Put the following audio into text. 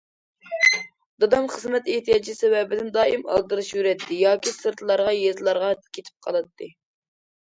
دادام خىزمەت ئېھتىياجى سەۋەبىدىن دائىم ئالدىراش يۈرەتتى ياكى سىرتلارغا، يېزىلارغا كېتىپ قالاتتى.